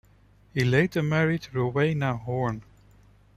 He later married Rowena Horne.